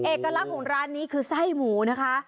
เอกลักษณ์ของร้านนี้คือไส้หมูนะคะ